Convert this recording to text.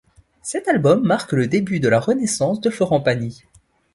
Cet album marque le début de la renaissance de Florent Pagny.